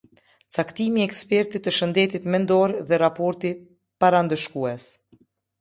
Caktimi i ekspertit të shëndetit mendor dhe raporti parandëshkues.